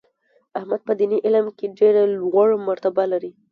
احمد په دیني علم کې ډېره لوړه مرتبه لري.